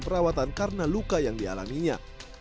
perawatan karena luka yang dialaminya